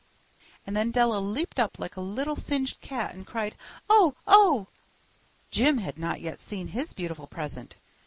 And then Della leaped up like a little singed cat and cried, "Oh, oh!" Jim had not yet seen his beautiful present.